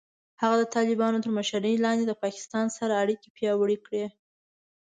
هغه د طالبانو تر مشرۍ لاندې د پاکستان سره اړیکې پیاوړې کړې.